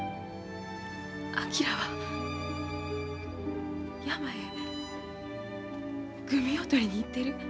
昭は山へグミを採りに行ってる。